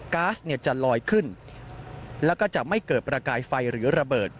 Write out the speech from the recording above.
๊าซเนี่ยจะลอยขึ้นแล้วก็จะไม่เกิดประกายไฟหรือระเบิด